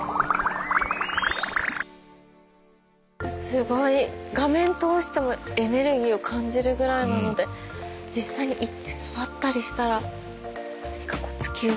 すごい画面通してもエネルギーを感じるぐらいなので実際に行って触ったりしたら何か突き動かされるんでしょうね。